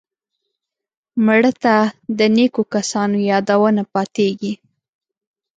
مړه ته د نیکو کسانو یادونه پاتېږي